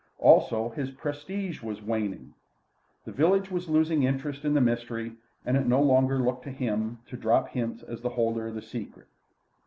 Also, his prestige was waning. The village was losing interest in the mystery, and it no longer looked to him to drop hints as the holder of the secret.